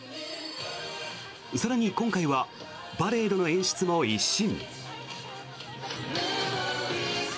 更に今回はパレードの演出も一新。